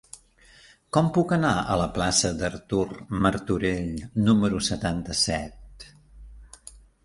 Com puc anar a la plaça d'Artur Martorell número setanta-set?